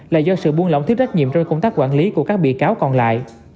là do sự buôn lỏng thiếu trách nhiệm trong công tác quản lý của các bị cáo còn lại